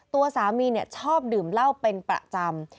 ตัวสามีชอบดื่มเหล้าเป็นประจำ